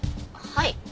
はい。